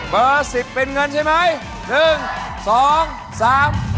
เบอร์๑๐เป็นเงินใช่ไหม